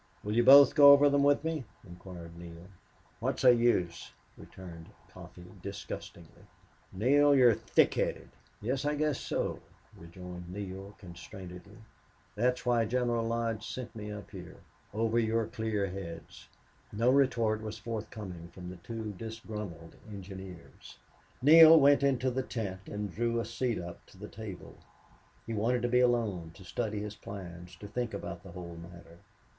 "Will you both go over them with me?" inquired Neale. "What's the use?" returned Coffee, disgustedly. "Neale, you're thick headed." "Yes, I guess so," rejoined Neale, constrainedly. "That's why General Lodge sent me up here over your clear heads." No retort was forthcoming from the two disgruntled engineers. Neale went into the tent and drew a seat up to the table. He wanted to be alone to study his plans to think about the whole matter.